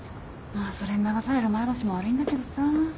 まあそれに流される前橋も悪いんだけどさ。